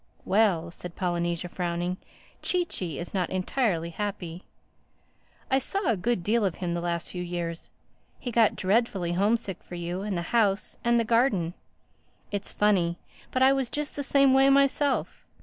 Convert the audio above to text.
"Well," said Polynesia frowning,—"Chee Chee is not entirely happy. I saw a good deal of him the last few years. He got dreadfully homesick for you and the house and the garden. It's funny, but I was just the same way myself.